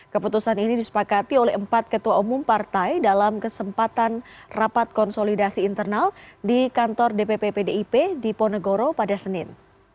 keputusan ini disepakati oleh empat ketua umum partai dalam kesempatan rapat konsolidasi internal di kantor dpp pdip di ponegoro pada senin